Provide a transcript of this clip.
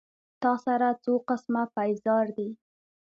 تا سره څو قسمه پېزار دي